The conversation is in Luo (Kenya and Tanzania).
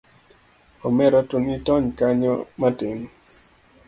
omera to nitony kanyo matin.